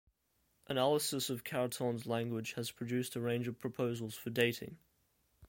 Analysis of Chariton's language has produced a range of proposals for dating.